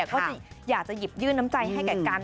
ก็จะอยากจะหยืดน้ำใจให้กัน